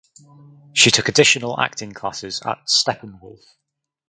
She took additional acting classes at Steppenwolf.